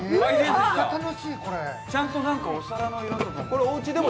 ちゃんとお皿の色とかも。